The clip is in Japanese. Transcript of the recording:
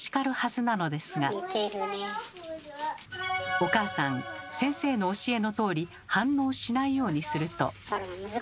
お母さん先生の教えのとおり反応しないようにすると。